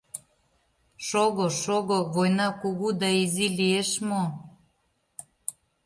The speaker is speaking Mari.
Шого, шого, война кугу да изи лиеш мо?